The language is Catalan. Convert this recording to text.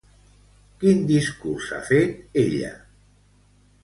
Quin discurs ha fet ella?